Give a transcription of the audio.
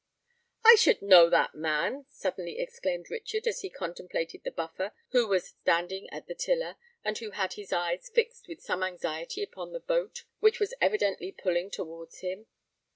"I should know that man!" suddenly exclaimed Richard, as he contemplated the Buffer, who was standing at the tiller, and who had his eyes fixed with some anxiety upon the boat, which was evidently pulling towards him.